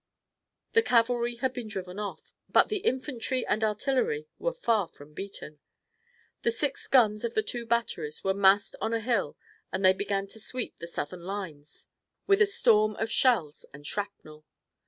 The cavalry had been driven off, but the infantry and artillery were far from beaten. The sixteen guns of the two batteries were massed on a hill and they began to sweep the Southern lines with a storm of shells and shrapnel.